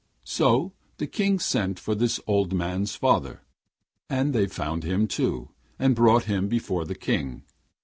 So the King sent for this old man's father, and they found him too, and brought him before the King.